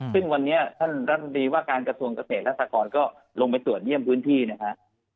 ซึ่งวันนี้ท่านรัฐดีรักษวกรเศษรัฐากรลงไปตรวจเงี่ยมพื้นที่นะคะ